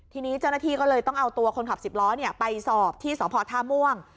ทีนี้เจ้าหน้าที่ก็เลยต้องเอาตัวคนขับสิบล้อไปสอบที่สพท่าม่วง